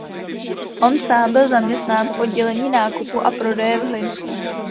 On sám byl zaměstnán v oddělení nákupu a prodeje v Hlinsku.